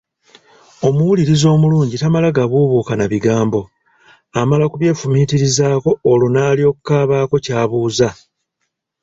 Omuwuliriza omulungi tamala gabuubuuka na bigambo, amala kubyefumiitirizaako olwo n’alyoka abaako ky’abuuza.